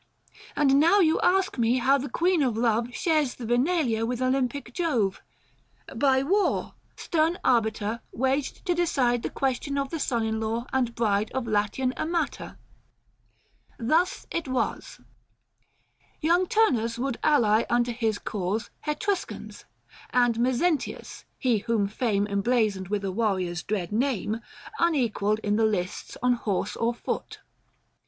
And now you ask me how the Queen of Love Shares the Vinalia with Olympic Jove ? 1020 By war ! stern arbiter — waged to decide The question of the son in law and bride Of Latian Amata : thus it was ; Young Turnus would ally unto his cause Hetruscans ; and Mezentius — he whom Fame 1025 Emblazoned with a warrior's dread name, Unequalled in the lists, on horse or foot.